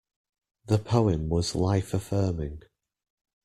The poem was life-affirming.